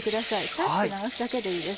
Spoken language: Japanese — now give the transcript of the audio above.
サッと流すだけでいいです。